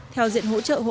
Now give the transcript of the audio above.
theo diện hỗ trợ hộ nghèo